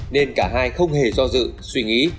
nên cả hai không hề do dự suy nghĩ